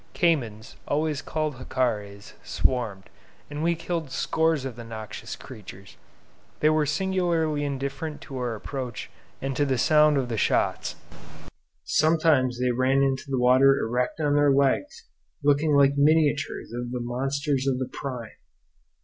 Caymans, always called jacares, swarmed; and we killed scores of the noxious creatures. They were singularly indifferent to our approach and to the sound of the shots. Sometimes they ran into the water erect on their legs, looking like miniatures of the monsters of the prime.